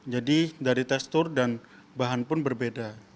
jadi dari tekstur dan bahan pun berbeda